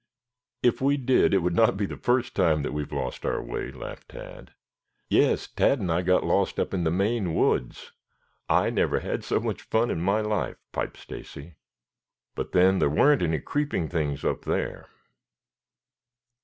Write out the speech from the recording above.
"If we did it would not be the first time that we have lost our way," laughed Tad. "Yes, Tad and I got lost up in the Maine woods. I never had so much fun in my life," piped Stacy. "But then there weren't any creeping things up there.